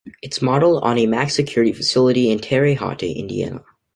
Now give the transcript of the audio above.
It's modeled on a max security facility in Terre Haute, Indiana.